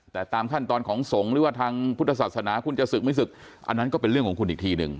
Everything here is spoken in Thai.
แต่ตามขั้นตอนของสงฆ์หรือว่าทางพุทธศาสนาคุณจะศึกไม่ศึกอันนั้นก็เป็นเรื่องของคุณอีกทีหนึ่ง